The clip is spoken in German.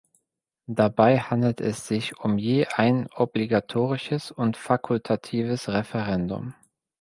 Dabei handelte es sich um je ein obligatorisches und fakultatives Referendum.